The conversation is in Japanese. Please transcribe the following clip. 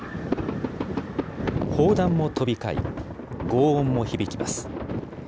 砲弾も飛び交い、ごう音も響きます。